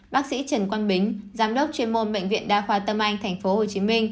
bác sĩ trần quang bính giám đốc chuyên môn bệnh viện đa khoa tâm anh tp hcm